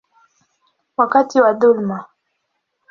wakati wa dhuluma.